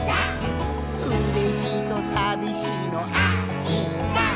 「うれしいとさびしいのあ・い・だ！」